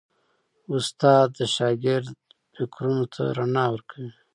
استاد د شاګرد فکرونو ته رڼا ورکوي.